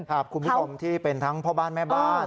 คุณผู้ชมที่เป็นทั้งพ่อบ้านแม่บ้าน